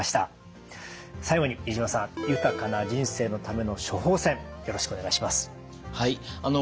最後に飯島さん豊かな人生のための処方せんよろしくお願いします。